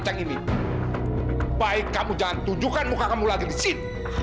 kamu tidak mau diajarkan diri kamu lagi di sini